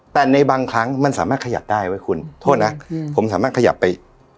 แต่ในบางครั้งมันสามารถขยับได้ไว้คุณโทษนะผมสามารถขยับไป